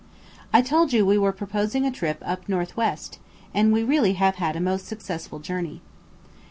I told you we were proposing a trip up North west, and we really have had a most successful journey.